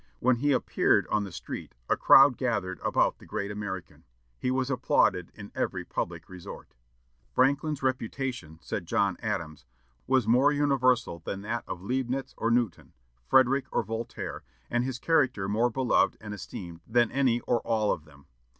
When he appeared on the street a crowd gathered about the great American. He was applauded in every public resort. "Franklin's reputation," said John Adams, "was more universal than that of Leibnitz or Newton, Frederick or Voltaire; and his character more beloved and esteemed than any or all of them.